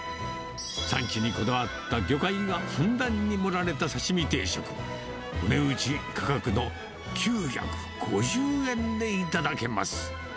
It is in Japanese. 産地にこだわった魚介がふんだんに盛られたさしみ定食、お値打ち価格の９５０円で頂けます。